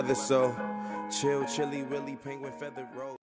mendingan gue ambil unpad